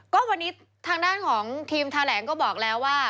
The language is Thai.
ก็วันนี้ทางด้านของทีมแถลงก็บอกแล้วว่า